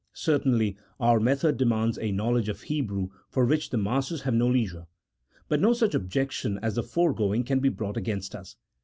Certainly our method demands a knowledge of Hebrew for which the masses have no leisure ; but no such objection as the fore going can be brought against us.